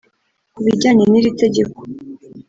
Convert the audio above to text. Ku bijyanye n’iri tegeko